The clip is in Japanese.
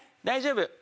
大丈夫。